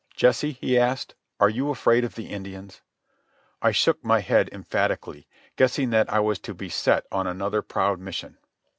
"Jesse," he asked, "are you afraid of the Indians?" I shook my head emphatically, guessing that I was to be sent on another proud mission.